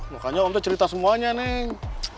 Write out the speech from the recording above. makanya om tuh cerita semuanya neng